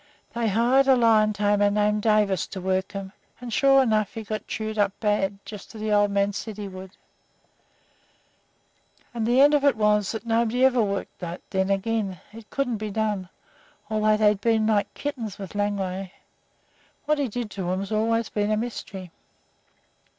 They hired a lion tamer named Davis to work 'em, and sure enough he got chewed up bad, just as the old man said he would, and the end of it was that nobody ever did work that den again; it couldn't be done, although they'd been like kittens with Langway. What he did to 'em's always been a mystery."